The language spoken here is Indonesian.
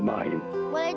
boleh juga pak man